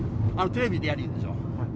テレビでやるでしょう。